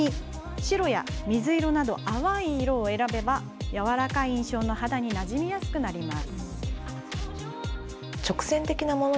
白や水色など淡い色を選べばやわらかい印象の肌になじみやすくなります。